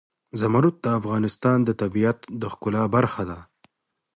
زمرد د افغانستان د طبیعت د ښکلا برخه ده.